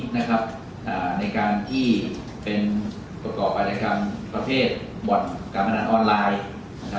ในการที่เป็นตรวจกรอบพันธุกรรมประเทศหมวดการพนันออนไลน์